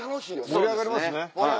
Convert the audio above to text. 盛り上がりますね。